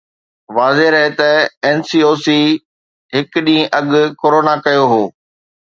واضح رهي ته اين سي او سي هڪ ڏينهن اڳ ڪورونا ڪيو هو